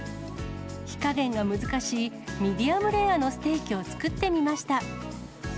火加減が難しい、ミディアムレアのステーキを作ってみました。